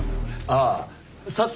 ああ。